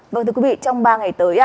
vâng thưa quý vị trong ba ngày tới